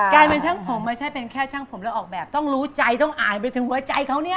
ช่างผมไม่ใช่เป็นแค่ช่างผมแล้วออกแบบต้องรู้ใจต้องอ่านไปถึงหัวใจเขาเนี่ย